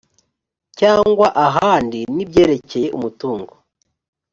cyangwa ahandi n ibyerekeye umutungo